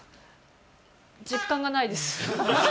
実感がないです。